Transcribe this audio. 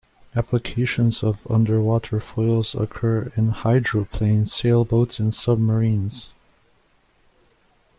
Applications of underwater foils occur in hydroplanes, sailboats and submarines.